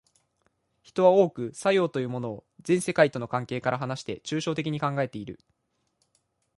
人は多く作用というものを全世界との関係から離して抽象的に考えている。